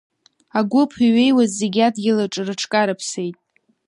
Агәыԥ иҩеиуаз зегьы адгьыл аҿы рыҽкарыԥсеит.